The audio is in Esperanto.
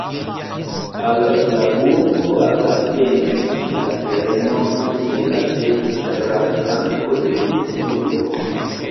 Al la burgo apartenis la terenoj de la dekstra flanko de Vistulo.